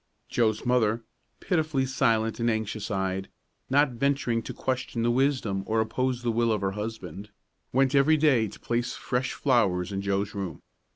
Joe's mother, pitifully silent and anxious eyed, not venturing to question the wisdom or oppose the will of her husband, went every day to place fresh flowers in Joe's room.